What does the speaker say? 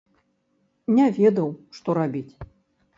Не ведаў, што рабіць.